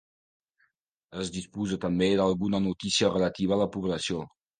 Es disposa també d'alguna notícia relativa a la població.